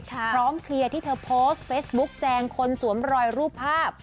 พร้อมเคลียร์ที่เธอโพสต์เฟซบุ๊คแจงคนสวมรอยรูปภาพ